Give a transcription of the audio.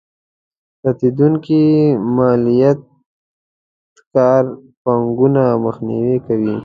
زياتېدونکې ماليات کار پانګونه مخنیوی کوي.